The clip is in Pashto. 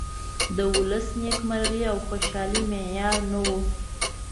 د ولس نیمکرغي او خوشالي معیار نه ؤ.